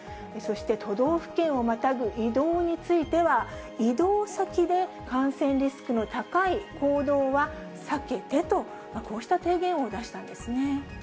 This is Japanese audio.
そして都道府県をまたぐ移動については、移動先で感染リスクの高い行動は避けてと、こうした提言を出したんですね。